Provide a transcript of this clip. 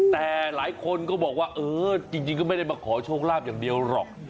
แต่หลายคนก็บอกว่าเออจริงก็ไม่ได้มาขอโชคลาภอย่างเดียวหรอก